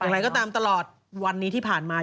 อย่างไรก็ตามตลอดวันนี้ที่ผ่านมา